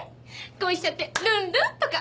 恋しちゃってルンルンとか。